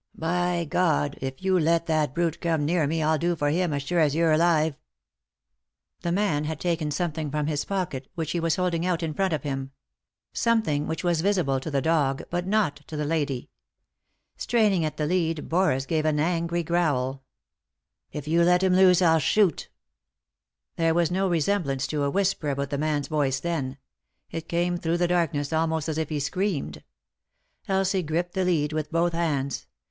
"By God, if you let that brute come near me I'll do for him as sure as you're alive." The man had taken something from his pocket, which he was holding out in front of him ; something which was visible to the dog but not to the lady. Straining at he lead, Boris gave an angry growl. 164 3i 9 iii^d by Google THE INTERRUPTED KISS " If you let him loose I'll shoot 1 " There was no resemblance to a whisper about the man's voice then ; it came through the darkness almost as if he screamed. Elsie gripped the lead with both hands.